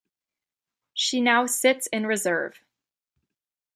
She now sits in reserve.